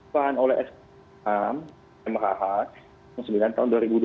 pertanyaan oleh fkm mhh tahun dua ribu dua puluh